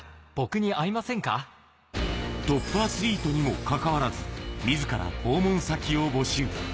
トップアスリートにもかかわらず、自ら訪問先を募集。